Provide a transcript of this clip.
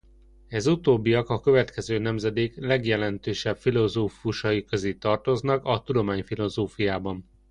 Ez utóbbiak a következő nemzedék legjelentősebb filozófusai közé tartoznak a tudományfilozófiában.